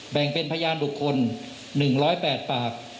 แบ่งเป็นพยานบุคคล๑๐๘ปาก